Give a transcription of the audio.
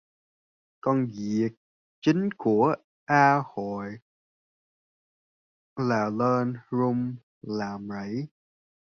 Công việc chính của A Hội là lên rừng làm rẫy